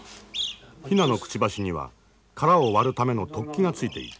ヒナのくちばしには殻を割るための突起がついている。